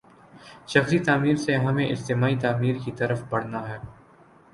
شخصی تعمیر سے ہمیں اجتماعی تعمیر کی طرف بڑھنا ہے۔